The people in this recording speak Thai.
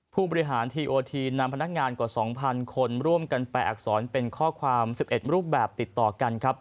ผู้บริหารทีโอทีนนำพนักงานกว่า๒๐๐คนร่วมกันแปลอักษรเป็นข้อความ๑๑รูปแบบติดต่อกันครับ